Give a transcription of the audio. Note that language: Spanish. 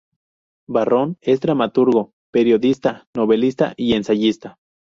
Barrón es dramaturgo, periodista, novelista y ensayista.